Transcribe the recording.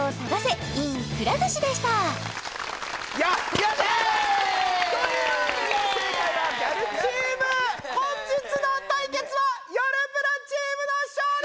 以上よっしゃー！というわけで正解はギャルチーム本日の対決はよるブラチームの勝利！